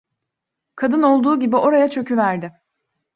Kadın olduğu gibi oraya çöküverdi.